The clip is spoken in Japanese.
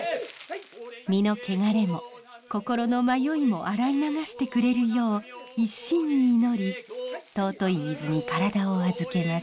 身の汚れも心の迷いも洗い流してくれるよう一身に祈り尊い水に体を預けます。